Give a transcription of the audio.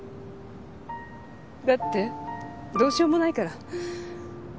だってどうしようもないから。